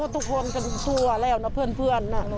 ทุกคนก็ดูตัวแล้วนะเพื่อนนะ